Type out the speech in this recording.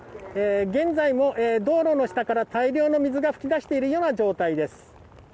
現在も道路の下から大量の水が噴き出しているような状態です。